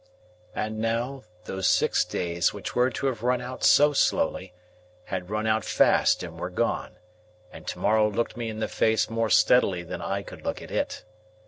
And now, those six days which were to have run out so slowly, had run out fast and were gone, and to morrow looked me in the face more steadily than I could look at it.